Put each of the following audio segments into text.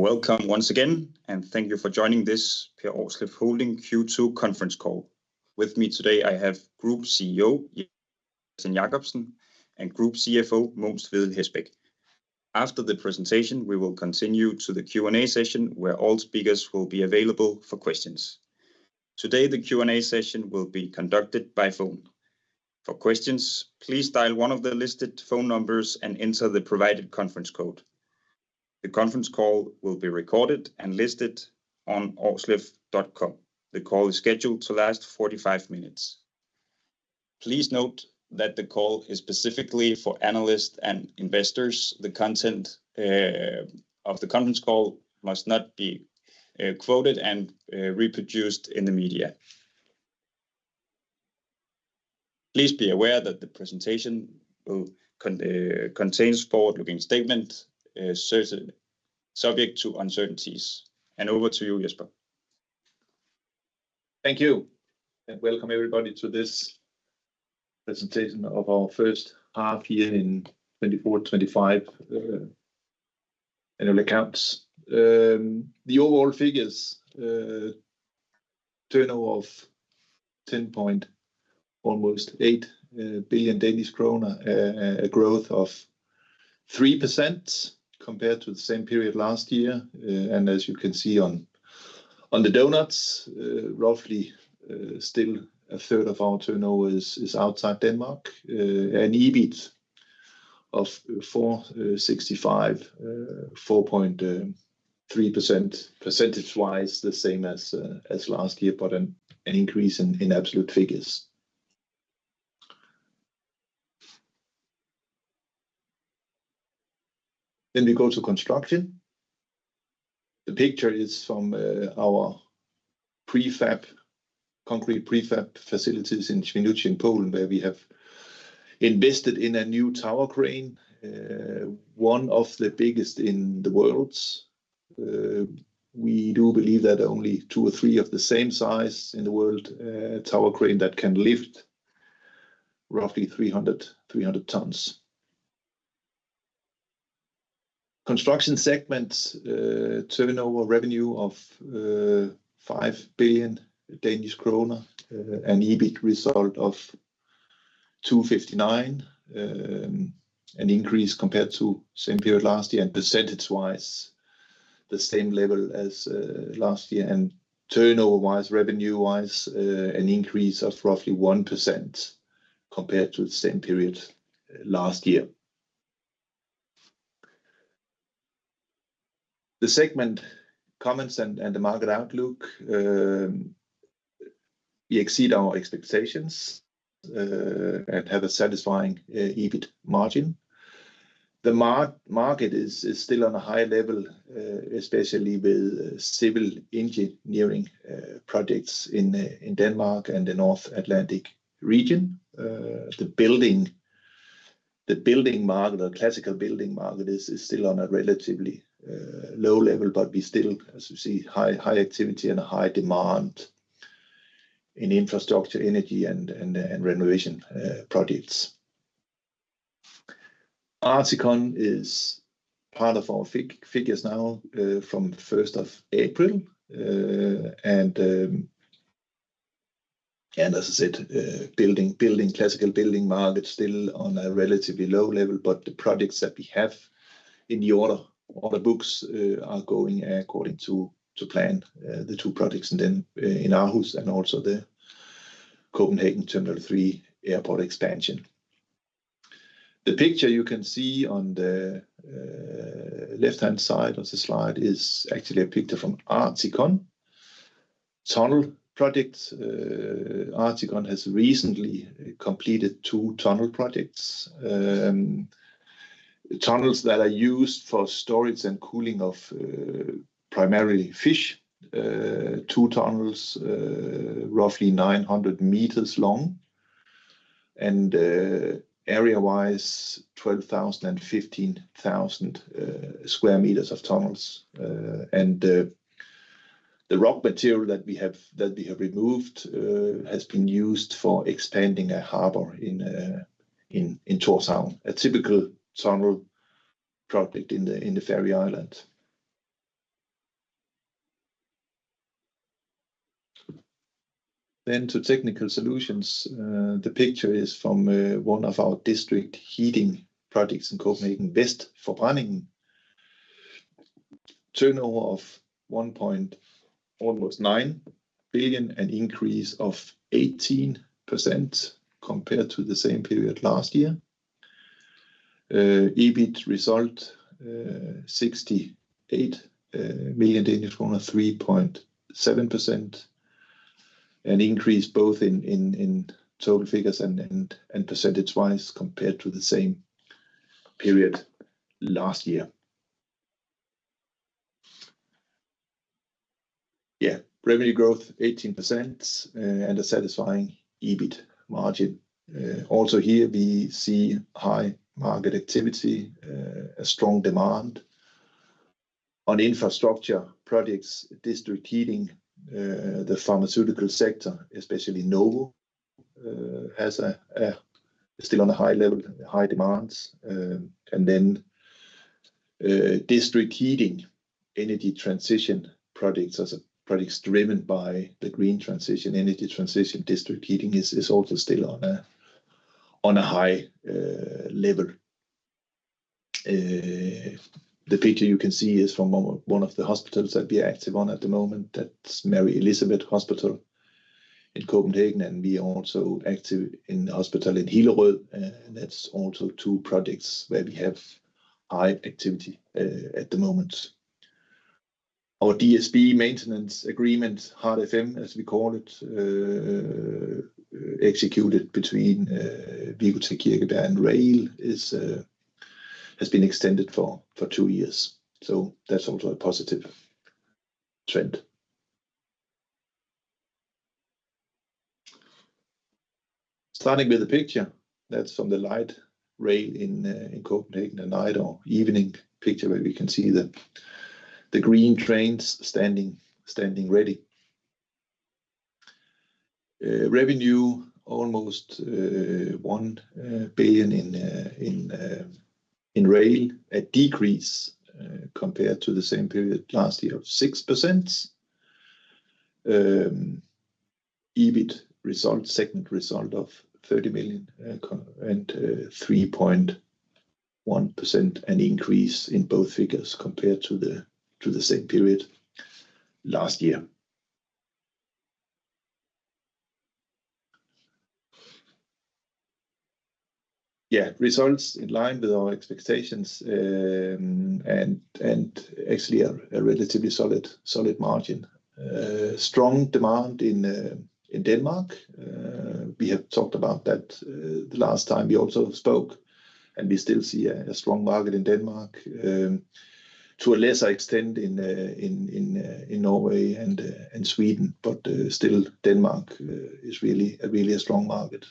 Welcome once again, and thank you for joining this Per Aarsleff Holding Q2 conference call. With me today, I have Group CEO Jesper Jacobsen and Group CFO Mogens Hestbæk. After the presentation, we will continue to the Q&A session, where all speakers will be available for questions. Today, the Q&A session will be conducted by phone. For questions, please dial one of the listed phone numbers and enter the provided conference code. The conference call will be recorded and listed on aarsleff.com. The call is scheduled to last 45 minutes. Please note that the call is specifically for analysts and investors. The content of the conference call must not be quoted and reproduced in the media. Please be aware that the presentation contains forward-looking statements subject to uncertainties, and over to you, Jesper. Thank you, and welcome everybody to this presentation of our first half year in 2024-2025 annual accounts. The overall figures: turnover of 10.8 billion Danish kroner, a growth of 3% compared to the same period last year. As you can see on the donuts, roughly still a third of our turnover is outside Denmark, an EBIT of 465, 4.3% percentage-wise, the same as last year, but an increase in absolute figures, then we go to construction. The picture is from our concrete prefab facilities in Świnoujście in Poland, where we have invested in a new tower crane, one of the biggest in the world. We do believe that only two or three of the same size in the world tower crane that can lift roughly 300 tons. Construction segment turnover revenue of 5 billion Danish kroner, an EBIT result of 259, an increase compared to the same period last year, and percentage-wise the same level as last year. And turnover-wise, revenue-wise, an increase of roughly 1% compared to the same period last year. The segment comments and the market outlook exceed our expectations and have a satisfying EBIT margin. The market is still on a high level, especially with civil engineering projects in Denmark and the North Atlantic region. The building market, the classical building market, is still on a relatively low level, but we still, as we see, high activity and a high demand in infrastructure, energy, and renovation projects. ArtiCon is part of our figures now from 1st of April. As I said, classical building market is still on a relatively low level, but the projects that we have in the order books are going according to plan, the two projects in Aarhus and also the Copenhagen Terminal 3 airport expansion. The picture you can see on the left-hand side of the slide is actually a picture from ArtiCon tunnel projects. ArtiCon has recently completed two tunnel projects, tunnels that are used for storage and cooling of primarily fish, two tunnels roughly 900 meters long, and area-wise 12,000 and 15,000 square meters of tunnels. The rock material that we have removed has been used for expanding a harbor in Tórshavn, a typical tunnel project in the Faroe Islands. To technical solutions, the picture is from one of our district heating projects in Copenhagen, Vestforbrænding. Turnover of 1 point. Almost 9 billion, an increase of 18% compared to the same period last year. EBIT result DKK 68 million, 3.7%, an increase both in total figures and percentage-wise compared to the same period last year. Yeah, revenue growth 18% and a satisfying EBIT margin. Also here, we see high market activity, a strong demand on infrastructure projects, district heating, the pharmaceutical sector, especially Novo, still on a high level, high demands. And then district heating, energy transition projects as projects driven by the green transition, energy transition, district heating is also still on a high level. The picture you can see is from one of the hospitals that we are active on at the moment. That's Mary Elizabeth Hospital in Copenhagen, and we are also active in the hospital in Hillerød. And that's also two projects where we have high activity at the moment. Our DSB maintenance agreement, Hard FM as we call it, executed between Wicotec Kirkebjerg and rail, has been extended for two years. So that's also a positive trend. Starting with the picture, that's from the light rail in Copenhagen, a night or evening picture where we can see the green trains standing ready. Revenue almost 1 billion in rail, a decrease compared to the same period last year of 6%. EBIT result, segment result of 30 million and 3.1%, an increase in both figures compared to the same period last year. Yeah, results in line with our expectations and actually a relatively solid margin. Strong demand in Denmark. We have talked about that the last time we also spoke, and we still see a strong market in Denmark, to a lesser extent in Norway and Sweden, but still Denmark is really a strong market,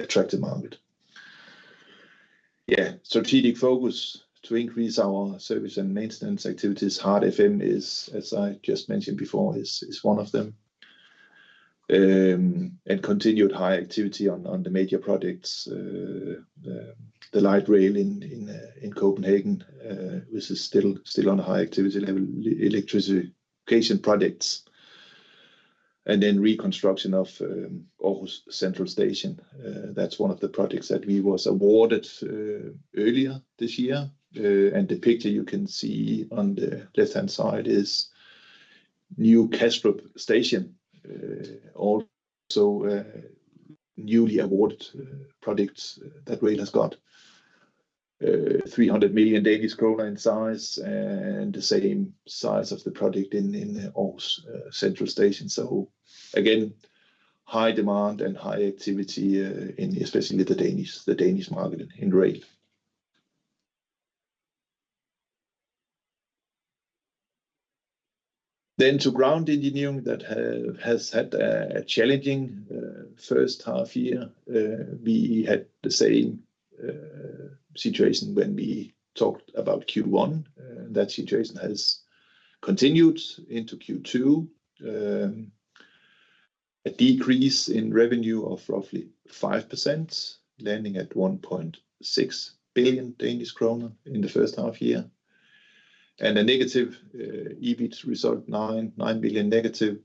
attractive market. Yeah, strategic focus to increase our service and maintenance activities. Hard FM is, as I just mentioned before, one of them. Continued high activity on the major projects, the light rail in Copenhagen, which is still on a high activity level, electrification projects. Reconstruction of Aarhus Central Station. That's one of the projects that we were awarded earlier this year. The picture you can see on the left-hand side is New Kastrup Station, also newly awarded projects that rail has got. 300 million Danish kroner in size and the same size of the project in Aarhus Central Station. So again, high demand and high activity, especially the Danish market in rail. Ground engineering has had a challenging first half year. We had the same situation when we talked about Q1. That situation has continued into Q2. A decrease in revenue of roughly 5%, landing at 1.6 billion Danish kroner in the first half year. And a negative EBIT result, 9 billion negative,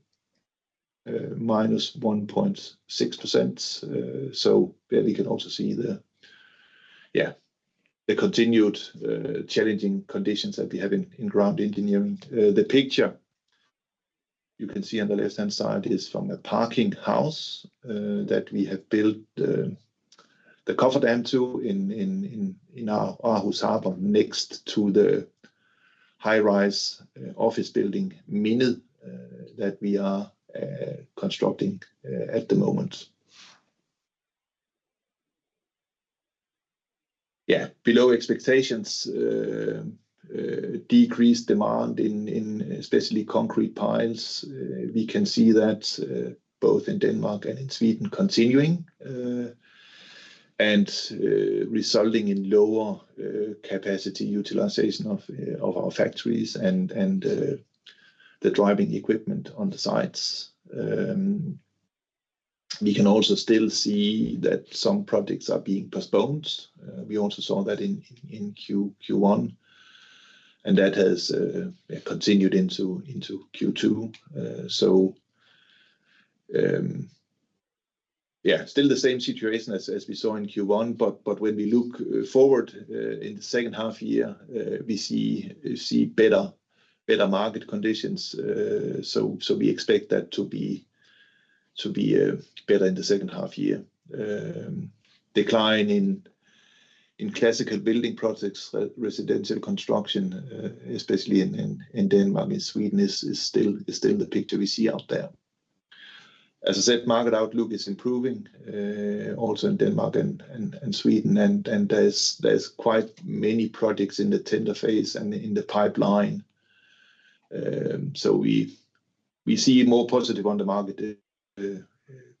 minus 1.6%. So we can also see the continued challenging conditions that we have in ground engineering. The picture you can see on the left-hand side is from a parking house that we have built the cofferdam to in our Aarhus harbor next to the high-rise office building Mindet that we are constructing at the moment. Yeah, below expectations, decreased demand in especially concrete piles. We can see that both in Denmark and in Sweden continuing and resulting in lower capacity utilization of our factories and the driving equipment on the sites. We can also still see that some projects are being postponed. We also saw that in Q1, and that has continued into Q2. So yeah, still the same situation as we saw in Q1, but when we look forward in the second half year, we see better market conditions. So we expect that to be better in the second half year. Decline in classical building projects, residential construction, especially in Denmark, in Sweden is still the picture we see out there. As I said, market outlook is improving also in Denmark and Sweden. And there's quite many projects in the tender phase and in the pipeline. So we see more positive on the market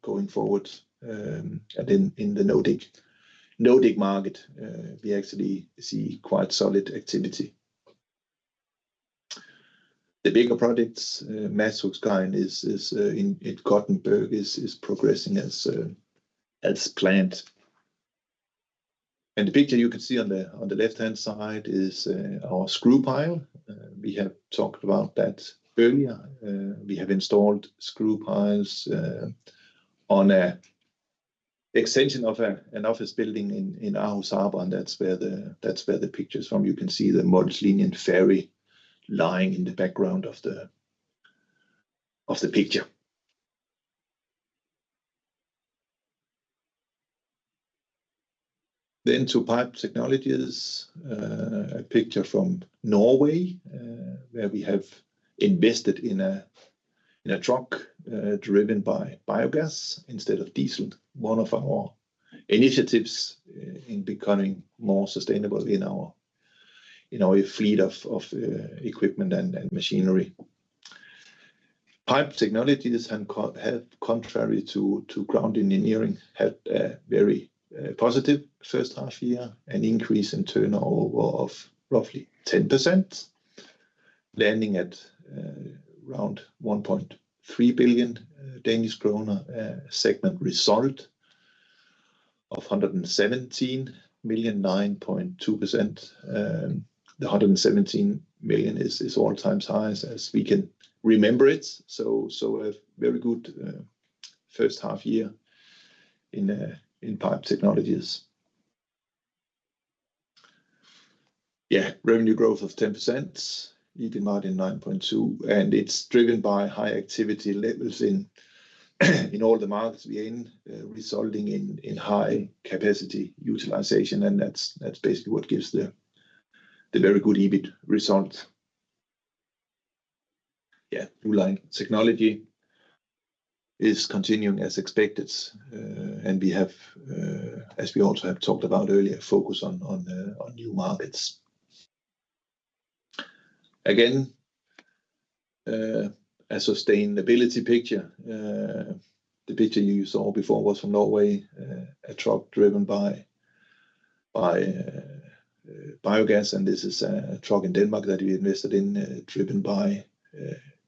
going forward. And in the Nordic market, we actually see quite solid activity. The bigger projects, Masthuggskajen in Gothenburg, is progressing as planned. And the picture you can see on the left-hand side is our screw pile. We have talked about that earlier. We have installed screw piles on an extension of an office building in Aarhus harbor, and that's where the picture is from. You can see the Molslinjen ferry lying in the background of the picture, then to pipe technologies, a picture from Norway where we have invested in a truck driven by biogas instead of diesel. One of our initiatives in becoming more sustainable in our fleet of equipment and machinery. Pipe technologies have, contrary to ground engineering, had a very positive first half year and increase in turnover of roughly 10%, landing at around 1.3 billion Danish kroner, segment result of 117 million, 9.2%. The 117 million is all-time highest as we can remember it, so a very good first half year in pipe technologies. Yeah, revenue growth of 10%, EBIT margin 9.2%, and it's driven by high activity levels in all the markets we're in, resulting in high capacity utilization, and that's basically what gives the very good EBIT result. Yeah, new line technology is continuing as expected, and we have, as we also have talked about earlier, focus on new markets. Again, a sustainability picture. The picture you saw before was from Norway, a truck driven by biogas, and this is a truck in Denmark that we invested in, driven by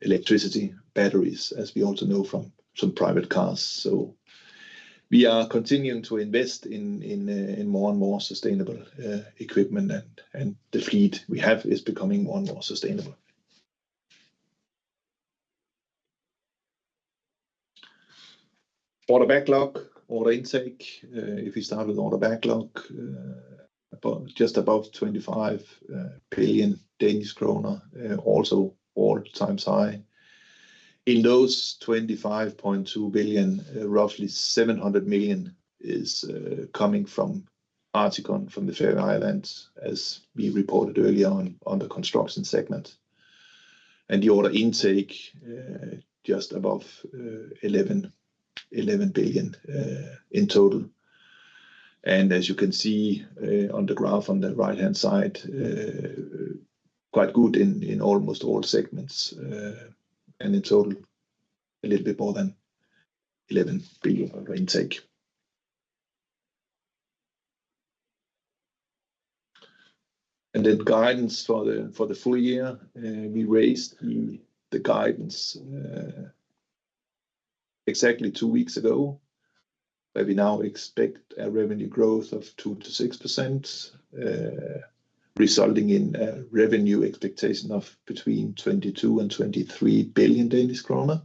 electricity batteries, as we also know from some private cars. So we are continuing to invest in more and more sustainable equipment, and the fleet we have is becoming more and more sustainable. Order backlog, order intake. If we start with order backlog, just above 25 billion Danish kroner, also all-time high. In those 25.2 billion, roughly 700 million is coming from ArtiCon, from the Faroe Islands, as we reported earlier on the construction segment, and the order intake, just above 11 billion in total, and as you can see on the graph on the right-hand side, quite good in almost all segments, and in total, a little bit more than 11 billion intake, and then guidance for the full year. We raised the guidance exactly two weeks ago, where we now expect a revenue growth of 2%-6%, resulting in a revenue expectation of between 22 billion and 23 billion Danish krone,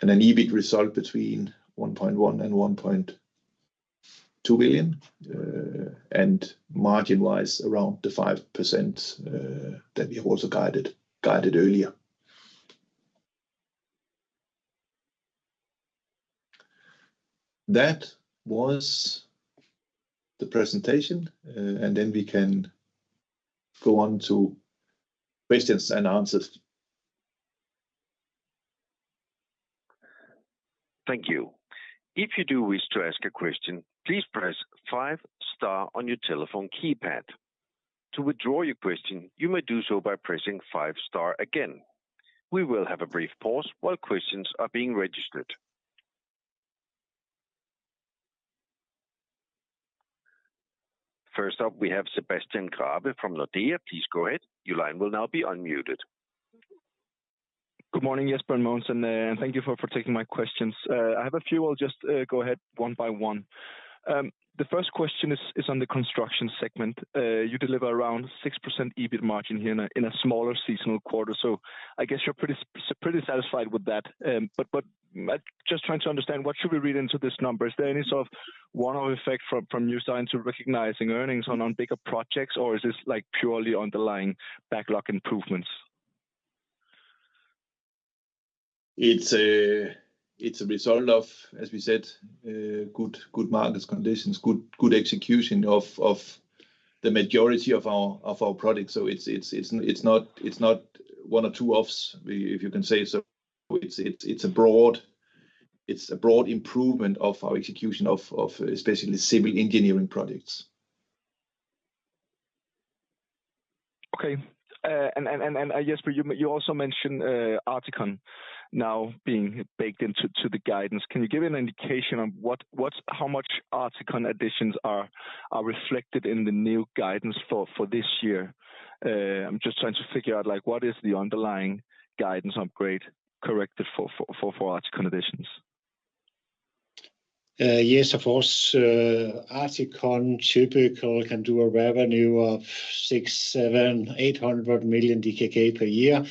and an EBIT result between 1.1 billion and 1.2 billion, and margin-wise around the 5% that we also guided earlier. That was the presentation, and then we can go on to questions and answers. Thank you. If you do wish to ask a question, please press five star on your telephone keypad. To withdraw your question, you may do so by pressing five star again. We will have a brief pause while questions are being registered. First up, we have Sebastian Grave from Nordea. Please go ahead. Your line will now be unmuted. Good morning, Jesper, and Mogens, and thank you for taking my questions. I have a few. I'll just go ahead one by one. The first question is on the construction segment. You deliver around 6% EBIT margin here in a smaller seasonal quarter. So I guess you're pretty satisfied with that. But just trying to understand, what should we read into this number? Is there any sort of one-off effect from new signs of recognizing earnings on bigger projects, or is this purely underlying backlog improvements? It's a result of, as we said, good market conditions, good execution of the majority of our products. So it's not one or two offs, if you can say so. It's a broad improvement of our execution of especially civil engineering projects. Okay, and Jesper, you also mentioned ArtiCon now being baked into the guidance. Can you give an indication of how much ArtiCon additions are reflected in the new guidance for this year? I'm just trying to figure out what is the underlying guidance upgrade corrected for ArtiCon additions. Yes, of course. ArtiCon typically can do a revenue of 6, 7, 800 million per year.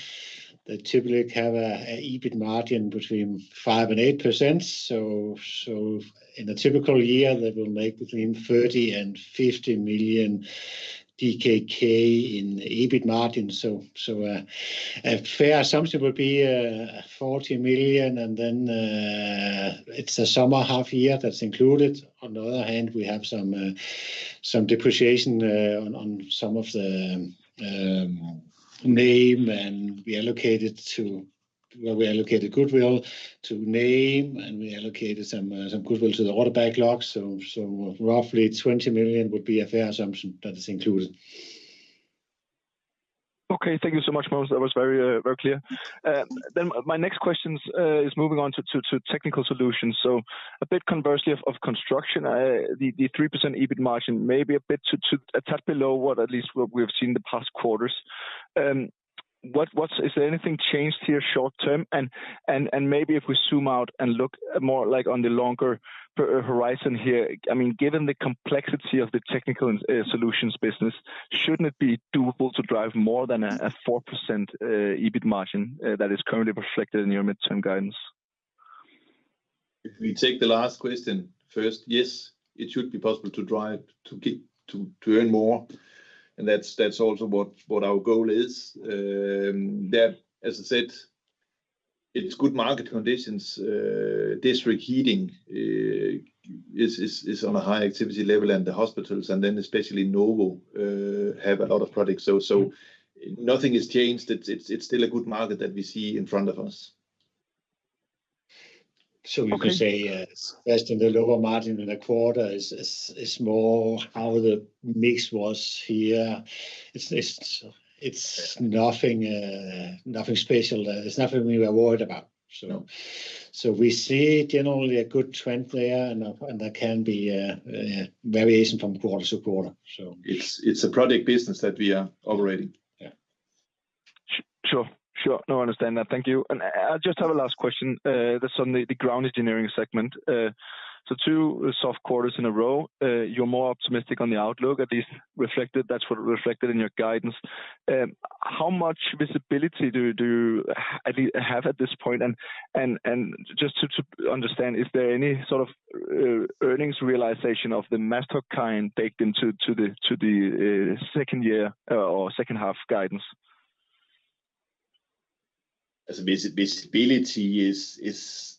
They typically have an EBIT margin between 5% and 8%. So in a typical year, they will make between 30 million and 50 million DKK in EBIT margin. So a fair assumption would be 40 million, and then it's a summer half year that's included. On the other hand, we have some depreciation on some of the name, and we allocated to where we allocated goodwill to name, and we allocated some goodwill to the order backlog. So roughly 20 million would be a fair assumption that is included. Okay. Thank you so much, Mogens. That was very clear. Then my next question is moving on to technical solutions. So a bit conversely of construction, the 3% EBIT margin may be a bit a tad below what at least we've seen in the past quarters. Is there anything changed here short term? And maybe if we zoom out and look more like on the longer horizon here, I mean, given the complexity of the technical solutions business, shouldn't it be doable to drive more than a 4% EBIT margin that is currently reflected in your midterm guidance? If we take the last question first, yes, it should be possible to earn more. And that's also what our goal is. As I said, it's good market conditions. District heating is on a high activity level, and the hospitals, and then especially Novo, have a lot of products. So nothing has changed. It's still a good market that we see in front of us. So you can say, yes, in the lower margin in the quarter is more how the mix was here. It's nothing special. There's nothing we were worried about. So we see generally a good trend there, and there can be variation from quarter-to-quarter. It's a product business that we are operating. Yeah. Sure. Sure. No, I understand that. Thank you. And I just have a last question. This is on the ground engineering segment. So two soft quarters in a row, you're more optimistic on the outlook, at least reflected. That's what reflected in your guidance. How much visibility do you have at this point? And just to understand, is there any sort of earnings realization of the Masthuggskajen baked into the second year or second half guidance? Our visibility is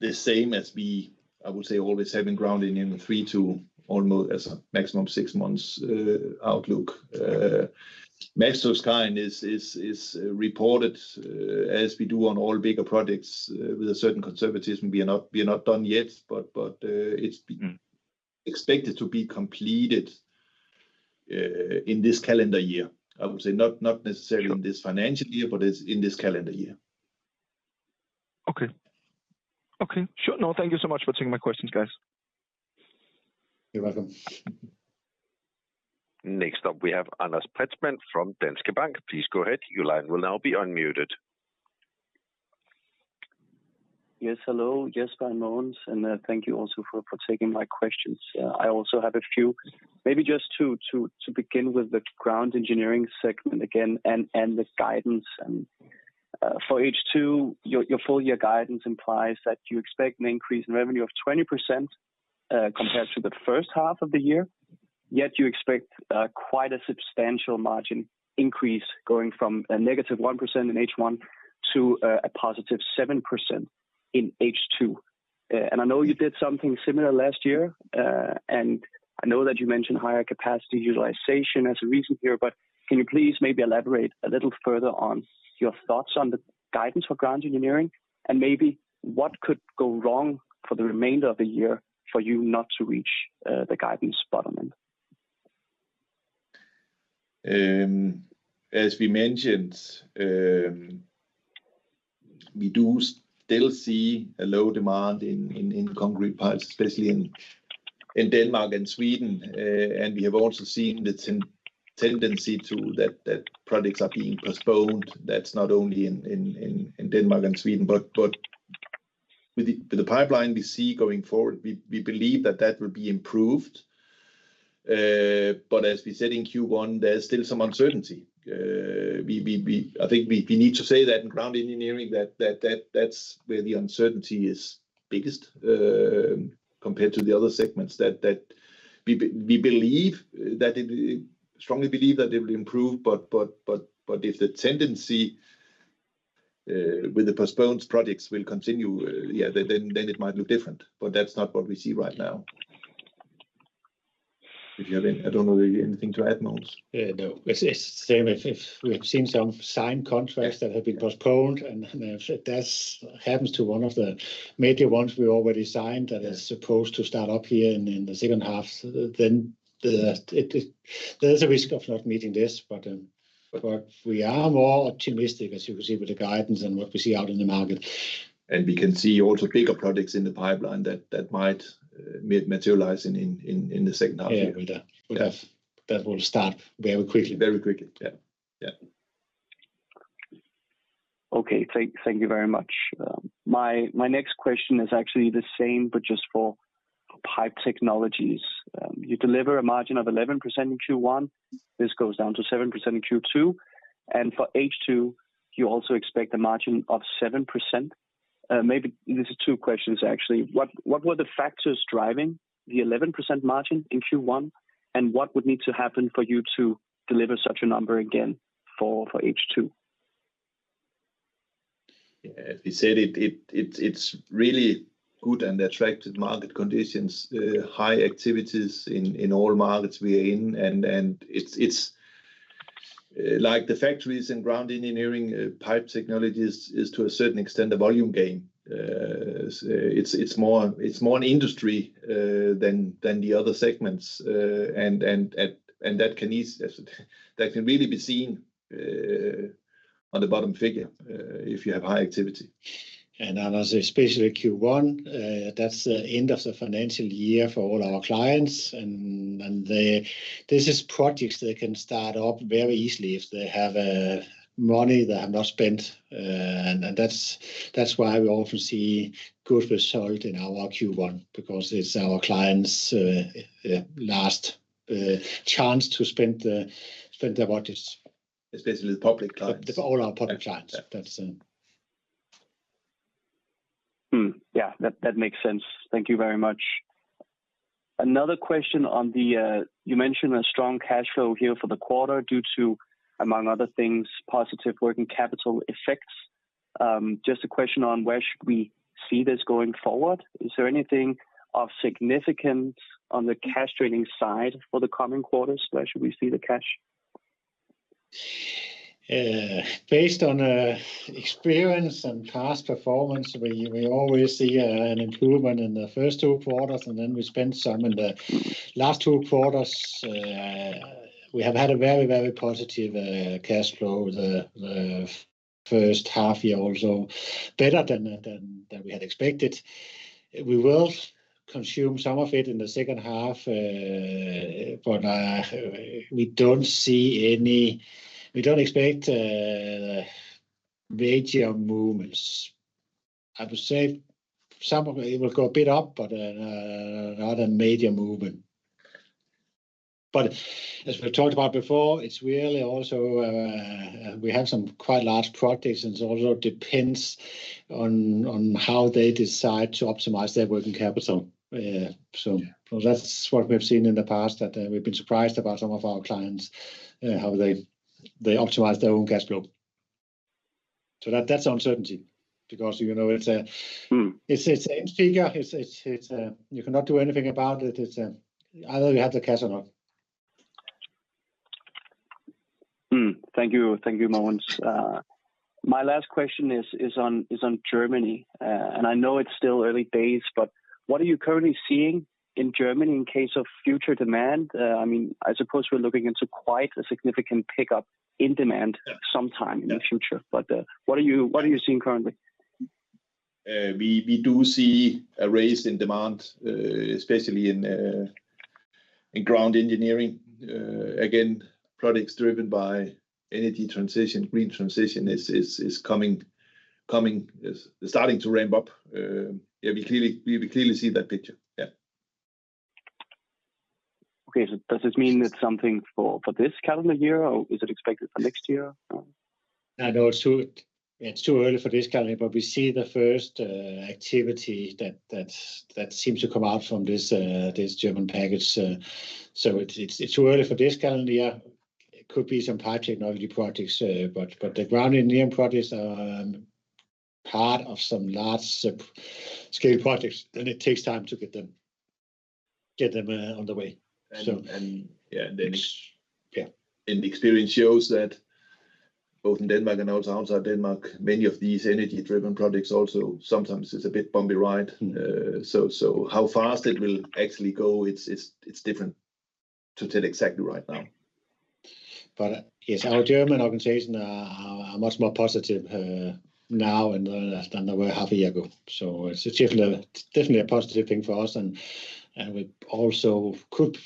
the same as we, I would say, always have in ground engineering three to almost maximum six months outlook. Masthuggskajen is reported as we do on all bigger projects with a certain conservatism. We are not done yet, but it's expected to be completed in this calendar year. I would say not necessarily in this financial year, but in this calendar year. Okay. Okay. Sure. No, thank you so much for taking my questions, guys. You're welcome. Next up, we have Anders Preetzmann from Danske Bank. Please go ahead. Your line will now be unmuted. Yes, hello. Jesper, Mogens, and thank you also for taking my questions. I also have a few, maybe just two to begin with the ground engineering segment again and the guidance. And for H2, your full year guidance implies that you expect an increase in revenue of 20% compared to the first half of the year. Yet you expect quite a substantial margin increase going from a negative 1% in H1 to a positive 7% in H2. And I know you did something similar last year, and I know that you mentioned higher capacity utilization as a reason here, but can you please maybe elaborate a little further on your thoughts on the guidance for ground engineering? And maybe what could go wrong for the remainder of the year for you not to reach the guidance bottom end? As we mentioned, we do still see a low demand in concrete piles, especially in Denmark and Sweden. And we have also seen the tendency that projects are being postponed. That's not only in Denmark and Sweden, but with the pipeline we see going forward, we believe that that will be improved. But as we said in Q1, there's still some uncertainty. I think we need to say that in ground engineering that that's where the uncertainty is biggest compared to the other segments. We strongly believe that it will improve, but if the tendency with the postponed projects will continue, then it might look different. But that's not what we see right now. If you have anything to add, Mogens? Yeah, no. It's the same if we have seen some signed contracts that have been postponed, and if that happens to one of the major ones we already signed that is supposed to start up here in the second half, then there is a risk of not meeting this. But we are more optimistic, as you can see with the guidance and what we see out in the market. We can see also bigger projects in the pipeline that might materialize in the second half year. Yeah, that will start very quickly. Very quickly. Yeah. Yeah. Okay. Thank you very much. My next question is actually the same, but just for pipe technologies. You deliver a margin of 11% in Q1. This goes down to 7% in Q2. And for H2, you also expect a margin of 7%. Maybe these are two questions, actually. What were the factors driving the 11% margin in Q1, and what would need to happen for you to deliver such a number again for H2? Yeah. As we said, it's really good and attractive market conditions, high activities in all markets we are in. And it's like the factories and ground engineering pipe technologies is, to a certain extent, a volume gain. It's more an industry than the other segments. And that can really be seen on the bottom figure if you have high activity. As I say, especially Q1, that's the end of the financial year for all our clients. This is projects that can start up very easily if they have money they have not spent. That's why we often see good result in our Q1, because it's our clients' last chance to spend their budgets. Especially the public clients. All our public clients. That's it. Yeah, that makes sense. Thank you very much. Another question on the you mentioned a strong cash flow here for the quarter due to, among other things, positive working capital effects. Just a question on where should we see this going forward? Is there anything of significance on the cash trading side for the coming quarters? Where should we see the cash? Based on experience and past performance, we always see an improvement in the first two quarters, and then we spent some in the last two quarters. We have had a very, very positive cash flow the first half year also, better than we had expected. We will consume some of it in the second half, but we don't expect major movements. I would say some of it will go a bit up, but not a major movement. But as we talked about before, it's really also we have some quite large projects, and it also depends on how they decide to optimize their working capital. So that's what we've seen in the past that we've been surprised about some of our clients, how they optimize their own cash flow. So that's uncertainty because it's a huge figure. You cannot do anything about it. It's either you have the cash or not. Thank you, Mogens. My last question is on Germany. I know it's still early days, but what are you currently seeing in Germany in case of future demand? I mean, I suppose we're looking into quite a significant pickup in demand sometime in the future. What are you seeing currently? We do see a rise in demand, especially in ground engineering. Again, products driven by energy transition, green transition is coming, starting to ramp up. Yeah, we clearly see that picture. Yeah. Okay. So does this mean it's something for this calendar year, or is it expected for next year? No, it's too early for this calendar, but we see the first activity that seems to come out from this German package. So it's too early for this calendar year. It could be some pipe technology projects, but the ground engineering projects are part of some large scale projects, and it takes time to get them on the way. Experience shows that both in Denmark and also outside Denmark, many of these energy-driven projects also sometimes. It's a bit bumpy ride. How fast it will actually go, it's difficult to tell exactly right now. But yes, our German organizations are much more positive now than they were half a year ago. So it's definitely a positive thing for us. And we also could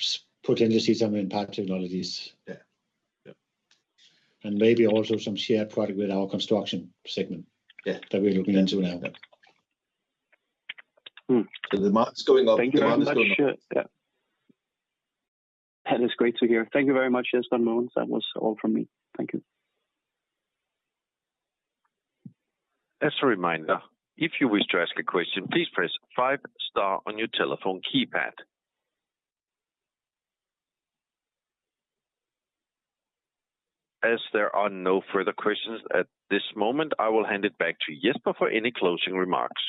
potentially see some in pipe technologies. And maybe also some shared product with our construction segment that we're looking into now. So the market's going up. Thank you very much. Yeah. That is great to hear. Thank you very much, Jesper, Mogens. That was all from me. Thank you. As a reminder, if you wish to ask a question, please press five-star on your telephone keypad. As there are no further questions at this moment, I will hand it back to Jesper for any closing remarks.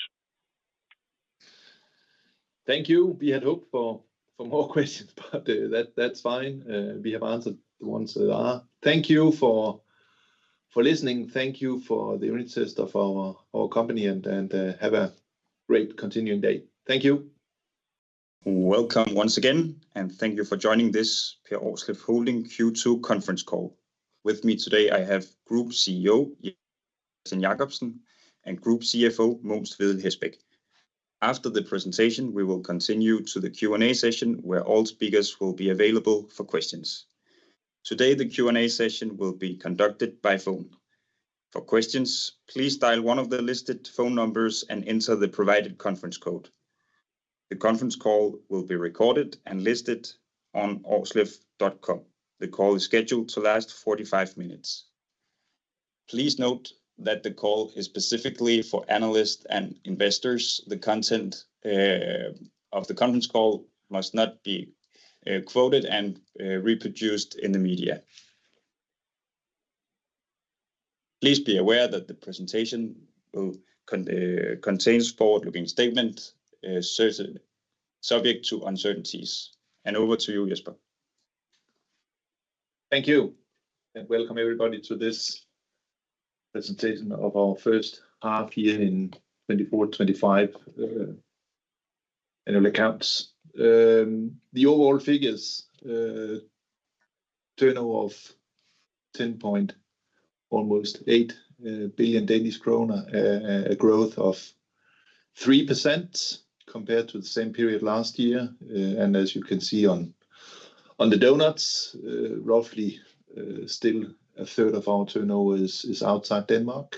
Thank you. We had hoped for more questions, but that's fine. We have answered the ones that are. Thank you for listening. Thank you for the interest in our company and have a great day. Thank you. Welcome once again, and thank you for joining this Per Aarsleff Holding Q2 conference call. With me today, I have Group CEO Jesper Jacobsen and Group CFO Mogens. After the presentation, we will continue to the Q&A session where all speakers will be available for questions. Today, the Q&A session will be conducted by phone. For questions, please dial one of the listed phone numbers and enter the provided conference code. The conference call will be recorded and listed on aarsleff.com. The call is scheduled to last 45 minutes. Please note that the call is specifically for analysts and investors. The content of the conference call must not be quoted and reproduced in the media. Please be aware that the presentation contains forward-looking statements subject to uncertainties, and over to you, Jesper. Thank you. And welcome everybody to this presentation of our first half year in 2024-25 annual accounts. The overall figures turnover of 10.8 billion Danish kroner, a growth of 3% compared to the same period last year. And as you can see on the donuts, roughly still a third of our turnover is outside Denmark.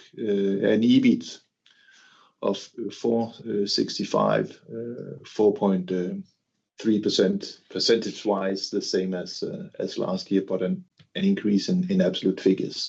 An EBIT of 465, 4.3% percentage-wise, the same as last year, but an increase in absolute figures.